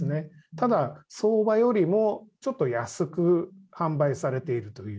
ただ、相場よりもちょっと安く販売されているという。